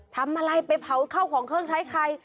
ทำอะไรไปเผาเข้าของเครื่องใช้ใคร